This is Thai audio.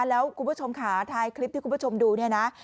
แล้วคุณผู้ชมค่ะท้ายคลิปที่คุณผู้ชมดูเนี่ยนะ